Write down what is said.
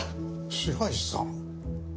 白石さん。